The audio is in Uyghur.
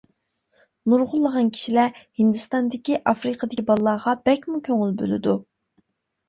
نۇرغۇنلىغان كىشىلەر ھىندىستاندىكى، ئافرىقىدىكى بالىلارغا بەكمۇ كۆڭۈل بۆلىدۇ.